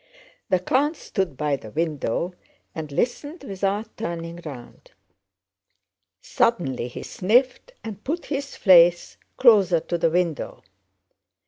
The count stood by the window and listened without turning round. Suddenly he sniffed and put his face closer to the window.